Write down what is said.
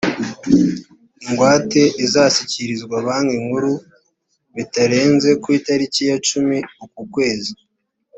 ingwate izashyikirizwa banki nkuru bitarenze ku itariki ya cumi ukukwezi.